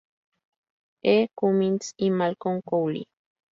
E. Cummings y Malcolm Cowley.